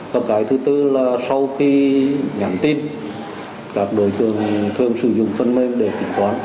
và cái thứ tư là sau khi nhắn tin các đối tượng thường sử dụng phần mềm để kiểm toán